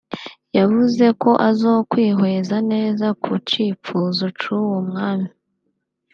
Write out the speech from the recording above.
yavuze ko azokwihweza neza ku cipfuzo c'uwo mwami